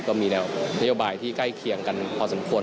ก็มีแนวนโยบายที่ใกล้เคียงกันพอสมควร